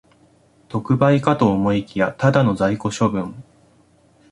特売かと思いきや、ただの在庫処分